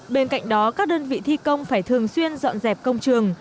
bên cạnh đó các đơn vị thi công phải thường xuyên dọn dẹp công trường